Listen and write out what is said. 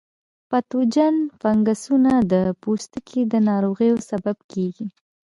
پتوجن فنګسونه د پوستکي د ناروغیو سبب کیږي.